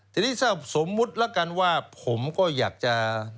ทีนี้ถ้าสมมุติแล้วกันว่าผมก็อยากจะ